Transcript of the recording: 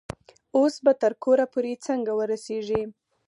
اوس به تر کوره پورې څنګه ورسیږي؟